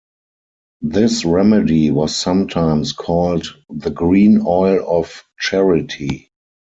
This remedy was sometimes called the "Green Oil of Charity".